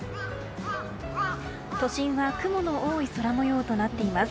都心は雲の多い空模様となっています。